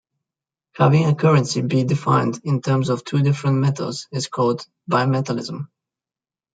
Having a currency be defined in terms of two different metals is called bimetallism.